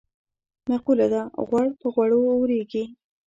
مقوله ده: غوړ په غوړو اورېږي.